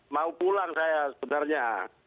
mau pulang saya sebenarnya